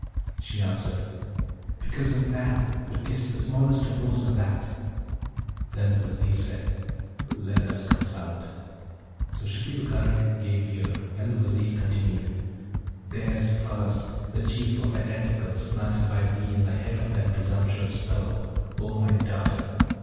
She answered, 'Because of that; but 'tis the smallest opposer, that.' Then the Vizier said, 'Let us consult.' So Shibli Bagarag gave ear, and the Vizier continued, 'There's first, the Chief of Identicals planted by thee in the head of that presumptuous fellow, O my daughter!